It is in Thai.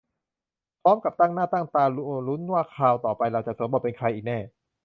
พร้อมกับตั้งหน้าตั้งตารอลุ้นว่าคราวต่อไปเราจะสวมบทเป็นใครอีกแน่